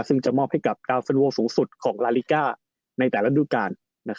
ซึ่งจะมอบให้กับกาวซิโนสูงสุดของลาลิก้าในแต่ละดูการ